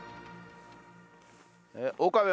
岡部